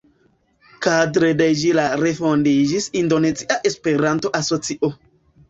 Kadre de ĝi la refondiĝis Indonezia Esperanto-Asocio.